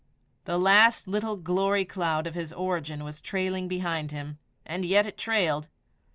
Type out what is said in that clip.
The last little glory cloud of his origin was trailing behind him but yet it trailed.